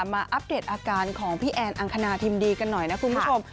อัปเดตอาการของพี่แอนอังคณาทิมดีกันหน่อยนะคุณผู้ชม